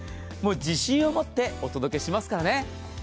もう自信を持ってお届けしますからね。